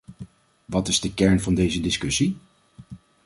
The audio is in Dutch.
Wat is de kern van deze discussie?